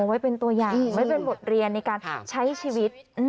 ไว้เป็นตัวอย่างไว้เป็นบทเรียนในการใช้ชีวิต